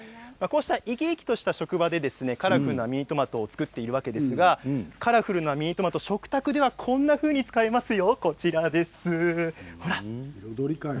生き生きとして職場でカラフルなミニトマトを作っているわけですがカラフルなミニトマト食卓ではこんなふうに使いますよ。